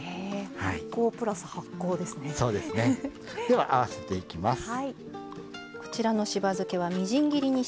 では合わせていきます。